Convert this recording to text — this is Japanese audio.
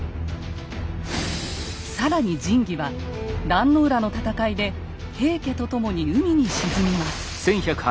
更に神器は壇の浦の戦いで平家と共に海に沈みます。